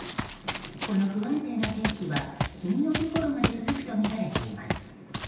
この不安定な天気は金曜日ごろまで続くとみられています。